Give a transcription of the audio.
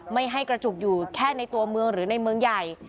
ไม่ให้กระจุกอยู่แค่ในตัวเมืองหรือในเมืองใหญ่